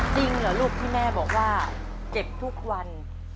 จริงเหรอลูกที่แม่บอกว่าเจ็บทุกวัน